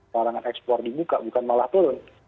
larangan ekspor dibuka bukan malah turun